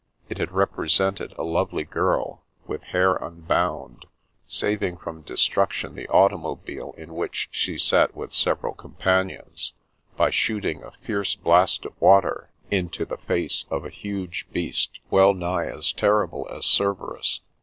It had represented a lovely girl, with hair unbound, saving from destruction the automobile in which she sat with several companions, by shooting a fierce blast of water into the facci^of a huge beast 44 The Princess Passes well nigh as terrible as Cerberus.